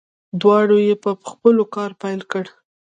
دواړو یې په پخولو کار پیل کړ.